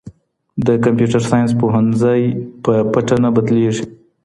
د کمپیوټر ساینس پوهنځۍ په پټه نه بدلیږي.